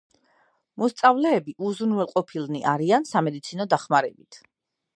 მოსწავლეები უზრუნველყოფილნი არიან სამედიცინო დახმარებით.